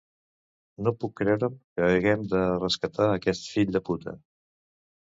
No puc creure'm que haguem de rescatar aquest fill de puta.